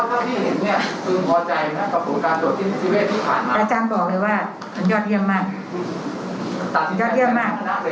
กับการตรวจที่นิติเวทที่ผ่านมาอาจารย์บอกเลยว่ามันยอดเยี่ยมมาก